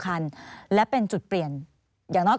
การเลือกตั้งครั้งนี้แน่